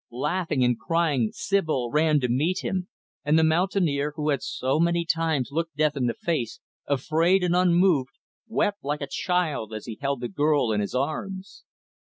Laughing and crying, Sibyl ran to meet him; and the mountaineer, who had so many times looked death in the face, unafraid and unmoved, wept like a child as he held the girl in his arms.